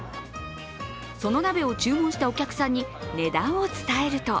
その鍋を注文したお客さんに値段を伝えると